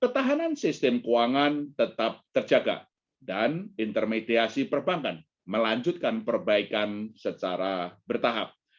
ketahanan sistem keuangan tetap terjaga dan intermediasi perbankan melanjutkan perbaikan secara bertahap